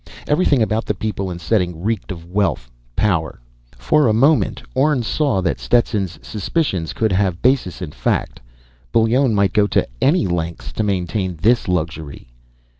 Everything about the people and setting reeked of wealth, power. For a moment, Orne saw that Stetson's suspicions could have basis in fact. Bullone might go to any lengths to maintain this luxury.